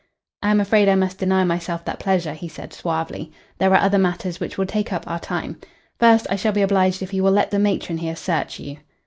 "I am afraid I must deny myself that pleasure," he said suavely. "There are other matters which will take up our time. First, I shall be obliged if you will let the matron here search you."